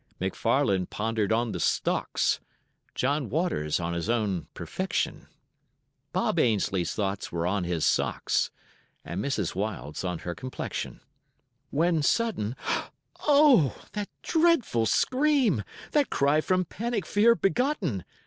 McFarlane pondered on the stocks, John Waters on his own perfection, Bob Ainslie's thoughts were on his socks, And Mrs. Wild's on her complexion. When sudden oh, that dreadful scream! That cry from panic fear begotten!